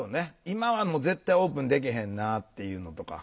今はもう絶対オープンでけへんなっていうのとか。